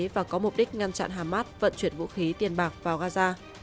và có mục đích ngăn chặn hamas vận chuyển vũ khí tiền bạc vào gaza